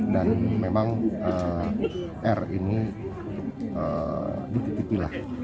dan memang r ini di titipi lah